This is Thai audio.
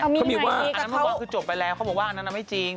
นั่นคือจบไปแล้วเขาบอกว่าอันนั้นไม่จริง